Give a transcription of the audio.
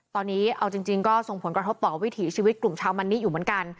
ตอนนี้เอาจริงก็ส่งผลกระทบต่อวิถีชีวิตกลุ่มชาวมันนิอยู่เหมือนกัน